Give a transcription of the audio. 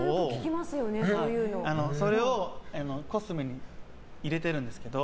それをコスメに入れてるんですけど。